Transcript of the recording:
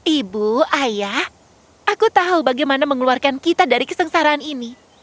ibu ayah aku tahu bagaimana mengeluarkan kita dari kesengsaraan ini